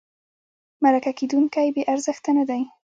مرکه کېدونکی بې ارزښته نه دی.